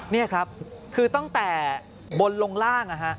นี่ครับคือตั้งแต่บนลงล่าง